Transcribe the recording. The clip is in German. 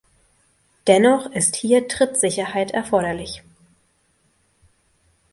Dennoch ist hier Trittsicherheit erforderlich.